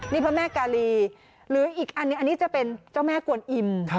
นี่พระแม่กาลีหรืออีกอันหนึ่งอันนี้จะเป็นเจ้าแม่กวนอิ่ม